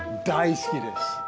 大好きです。